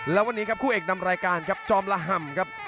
แล้ววันนี้ครับคู่เอกนำรายการครับจอมละห่ำครับ